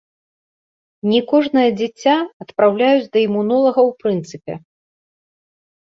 Не кожнае дзіця адпраўляюць да імунолага ў прынцыпе.